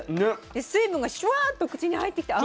で水分がシュワーッと口に入ってきて甘い。